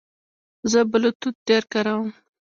زه بلوتوث ډېر کاروم.